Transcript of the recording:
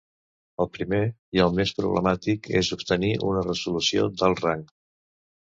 El primer, i el més problemàtic, és obtenir una resolució d'alt rang.